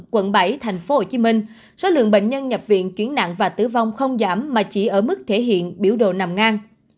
quận bảy tp hcm số lượng bệnh nhân nhập viện chuyển nặng và tử vong không giảm mà chỉ ở mức thể hiện biểu đồ nằm ngang